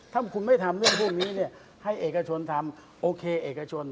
ถ้าคุณไม่ทำเรื่องพวกนี้ให้เอกชนทำโอเคเอกชน